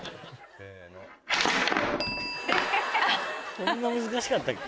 そんな難しかったっけ？